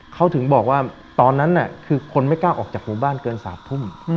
เขาถึงบอกว่าตอนนั้นคือคนไม่กล้าออกจากหมู่บ้านเกิน๓ทุ่ม